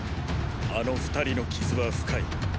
あの二人の傷は深い。